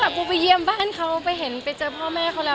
กูไปเยี่ยมบ้านเขาไปเห็นไปเจอพ่อแม่เขาแล้ว